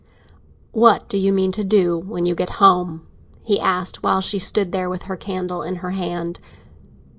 "What do you mean to do when you get home?" he asked, while she stood there with her candle in her hand.